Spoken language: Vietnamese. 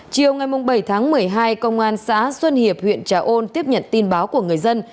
chiều ngày bảy tháng một mươi hai công an xã xuân hiệp huyện trà ôn tiếp nhận tin báo của người dân